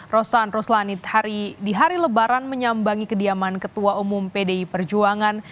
rosan roslanit di hari lebaran menyambangi kediaman ketua umum pdi perjuangan